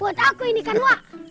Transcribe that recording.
boa buat aku ini kan wak